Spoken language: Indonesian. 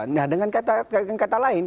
nah dengan kata lain